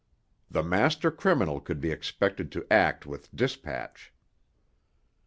The master criminal could be expected to act with dispatch.